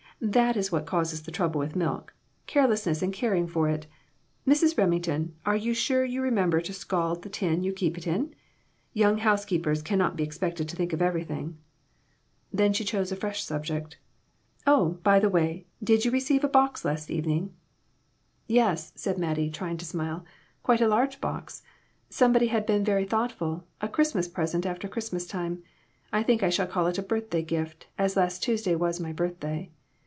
That is what causes the trouble with milk carelessness in caring for it. Mrs. Remington, are you sure you remember to scald the tin you keep it in ? Young housekeepers can not be expected to think of everything." Then she chose a fresh subject. "Oh, by the way, did you receive a box last evening?" 94 BONNETS, AND BURNS, AND BURDENS. "Yes," said Mattie, trying to smile; "quite a large box. Somebody has been very thoughtful ; a Christmas present after Christmas time. I think I shall call it a birthday gift, as last Tues day was my birthday.